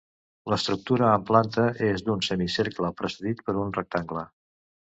L'estructura en planta és d'un semicercle precedit per un rectangle.